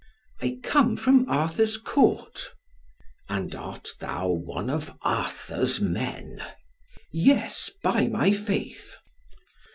"I come from Arthur's Court." "And art thou one of Arthur's men?" "Yes, by my faith."